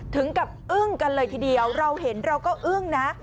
ถึงกับอึ้งกันเลยทีเดียวเราเห็นเราก็อึ้งนะ